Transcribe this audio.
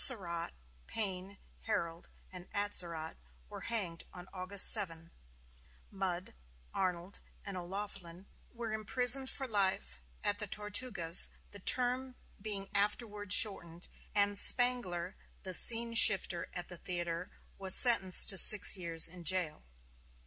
Surratt, Payne, Herold, and Atzerodt were hanged on July 7; Mudd, Arnold, and O'Laughlin were imprisoned for life at the Tortugas, the term being afterward shortened; and Spangler, the scene shifter at the theater, was sentenced to six years in jail.